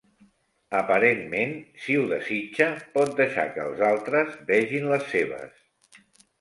Aparentment, si ho desitja, pot deixar que els altres vegin les seves.